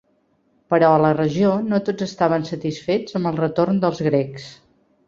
Però a la regió no tots estaven satisfets amb el retorn dels Grecs.